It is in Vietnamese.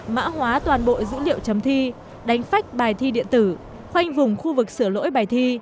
mã hóa toàn bộ dữ liệu chấm thi đánh phách bài thi điện tử khoanh vùng khu vực sửa lỗi bài thi